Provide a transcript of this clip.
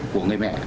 của người mẹ